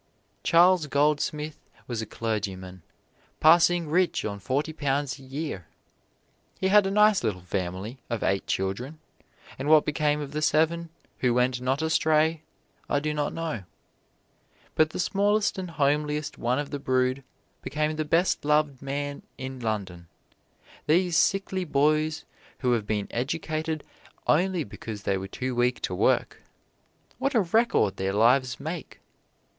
Charles Goldsmith was a clergyman, passing rich on forty pounds a year. He had a nice little family of eight children, and what became of the seven who went not astray I do not know. But the smallest and homeliest one of the brood became the best loved man in London. These sickly boys who have been educated only because they were too weak to work what a record their lives make!